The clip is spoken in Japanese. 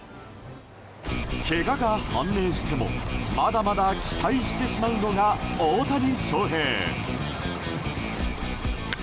けがが判明してもまだまだ期待してしまうのが大谷翔平。